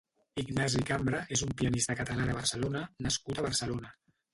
Ignasi Cambra és un pianista Català de Barcelona nascut a Barcelona.